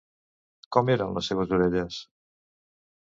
Com eren les seves orelles?